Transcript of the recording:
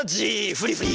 フリフリ。